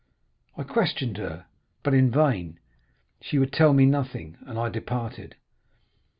I questioned her, but in vain; she would tell me nothing, and I departed.